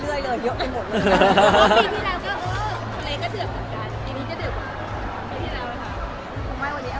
มันต้องเบาหนุ่มแล้วกับท่องทางอะไรหรือ